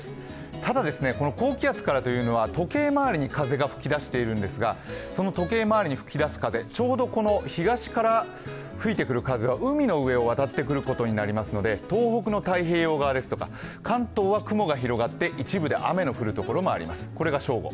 ただ高気圧というのは時計回りに風が吹き出しているんですが、その時計回りに吹き出す風、ちょうど東から吹いてくる風が海の上を渡ってくることになるので東北の太平洋側ですとか関東は雲が広がって、一部で雨の降るところがあります、これが正午。